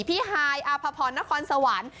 พี่ฮายอภพรนครสวรรค์